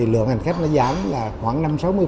lượng hành khách giảm khoảng năm sáu mươi